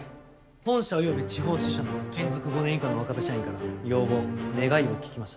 本社および地方支社の勤続５年以下の若手社員から要望願いを聞きました。